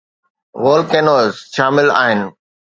volcanoes شامل آهن